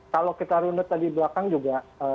kalau kita rundut tadi belakang juga